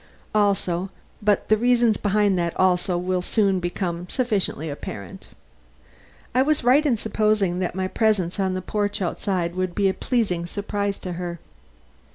Also, but the reasons behind that also will soon become sufficiently apparent. I was right in supposing that my presence on the porch outside would be a pleasing surprise to her.